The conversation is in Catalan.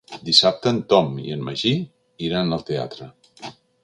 Dissabte en Tom i en Magí iran al teatre.